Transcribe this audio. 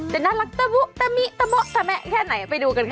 จะน่ารักตะมุตะมิตะมุตะแมะแค่ไหนไปดูกันค่ะ